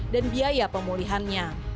dan biaya pemulihannya